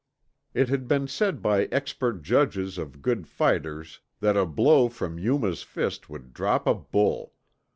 It had been said by expert judges of good fighters that a blow from Yuma's fist would drop a bull.